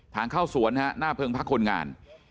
ทางเข้าสวนนะฮะหน้าเพิงพักคนงาน